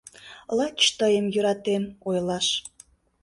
«Лач тыйым йӧратем» — ойлаш